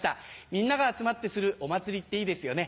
みんなが集まってするお祭りっていいですよね。